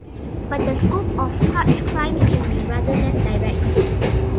But the scope of such crimes can be rather less direct.